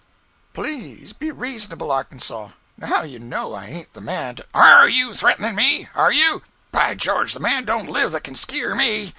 "Please be reasonable, Arkansas. Now you know that I ain't the man to—" "Are you a threatenin' me? Are you? By George, the man don't live that can skeer me!